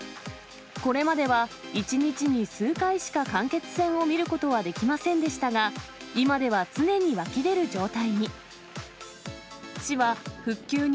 これまでは１日に数回しか間欠泉を見ることはできませんでしたが、今では常に湧き出る状態に。